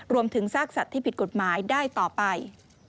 ซากสัตว์ที่ผิดกฎหมายได้ต่อไป